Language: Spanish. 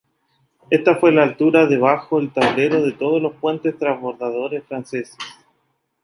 Este fue la altura de bajo el tablero de todos los puentes transbordadores franceses.